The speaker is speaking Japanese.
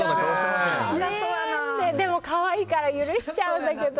でも可愛いから許しちゃうんだけど。